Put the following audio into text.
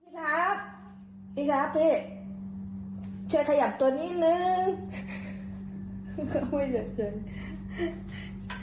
ช่วยขยับตัวนี้หนึ่ง